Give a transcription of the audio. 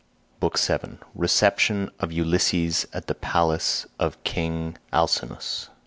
BOOK VII RECEPTION OF ULYSSES AT THE PALACE OF KING ALCINOUS.